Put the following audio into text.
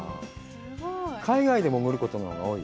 海外で潜ることのほうが多い？